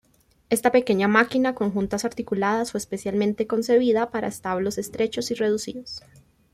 Esta pequeña máquina con juntas articuladas fue especialmente concebida para establos estrechos y reducidos.